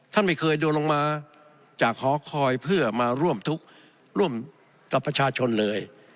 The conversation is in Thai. ท่านไม่เคยโดนลงมาจากหอคอยเพื่อมาร่วมทุกข์ร่วมกับประชาชนเลย